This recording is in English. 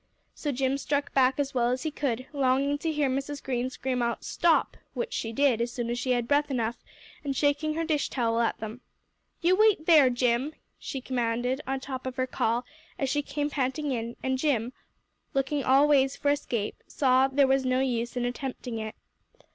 So Jim struck back as well as he could, longing to hear Mrs. Green scream out, "Stop!" which she did as soon as she had breath enough, and shaking her dish towel at them. "You wait there, Jim," she commanded, on top of her call, as she came panting on; and Jim, looking all ways for escape, saw there was no use in attempting it.